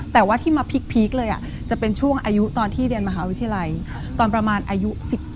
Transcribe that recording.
แต่ว่าที่มาพีคเลยจะเป็นช่วงอายุตอนที่เรียนมหาวิทยาลัยตอนประมาณอายุ๑๗